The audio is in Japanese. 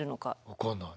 分かんない。